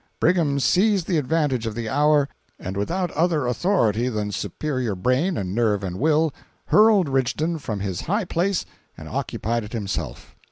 Brigham seized the advantage of the hour and without other authority than superior brain and nerve and will, hurled Rigdon from his high place and occupied it himself.